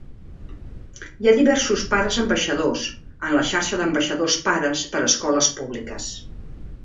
Hi ha diversos pares ambaixadors en la xarxa d'ambaixadors Pares per a les Escoles Públiques.